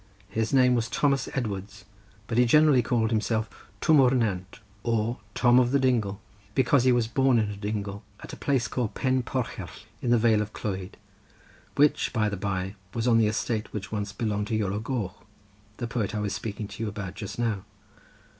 His name was Thomas Edwards, but he generally called himself Twm o'r Nant, or Tom of the Dingle, because he was born in a dingle, at a place called Pen Porchell in the vale of Clwyd—which, by the bye, was on the estate which once belonged to Iolo Goch, the poet I was speaking to you about just now.